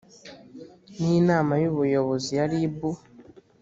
n inama y ubuyobozi ya rib